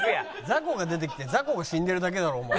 雑魚が出てきて雑魚が死んでるだけだろお前。